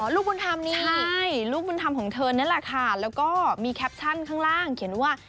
อ๋อลูกบุญธรรมนี้นะค่ะแล้วก็มีแคปชั่นข้างล่างเขียนว่า